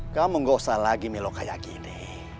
kamu tidak usah lagi melukai kini